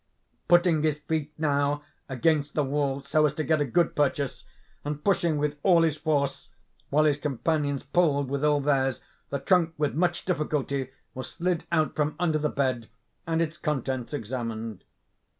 Putting his feet, now, against the wall so as to get a good purchase, and pushing with all his force, while his companions pulled with all theirs, the trunk, with much difficulty, was slid out from under the bed, and its contents examined.